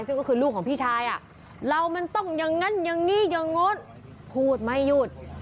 ซึ่งก็คือลูกของพี่ชายเรามันต้องอย่างนั้นอย่างนี้อย่างโน้นพูดไม่หยุด